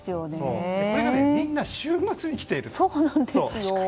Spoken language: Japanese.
これがみんな週末に来ていると。